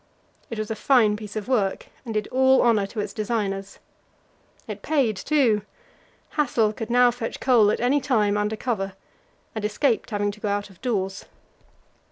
It was a fine piece of work, and did all honour to its designers. It paid, too Hassel could now fetch coal at any time under cover, and escaped having to go out of doors.